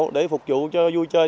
để phục vụ cho vui chơi